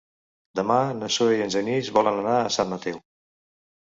Demà na Zoè i en Genís volen anar a Sant Mateu.